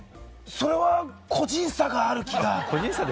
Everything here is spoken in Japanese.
それは個人差がある気が。